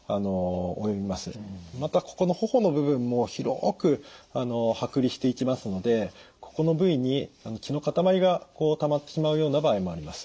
またここの頬の部分も広く剥離していきますのでここの部位に血の塊がたまってしまうような場合もあります。